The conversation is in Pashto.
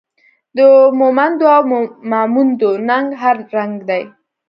د مومندو او ماموندو ننګ هر رنګ دی